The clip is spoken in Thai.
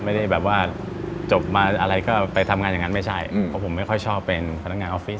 ไม่ได้แบบว่าจบมาอะไรก็ไปทำงานอย่างนั้นไม่ใช่เพราะผมไม่ค่อยชอบเป็นพนักงานออฟฟิศ